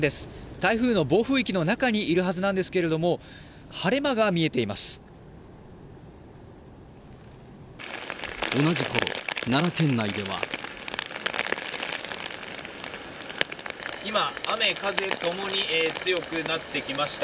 台風の暴風域の中にいるはずなんですけれども、晴れ間が見えてい同じころ、今、雨風ともに強くなってきました。